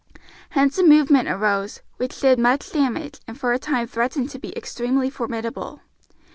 Hence a movement arose, which did much damage and for a time threatened to be extremely formidable.